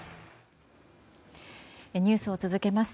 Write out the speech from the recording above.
ニュースを続けます。